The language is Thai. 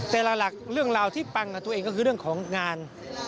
หลักเรื่องราวที่ปังกับตัวเองก็คือเรื่องของงาน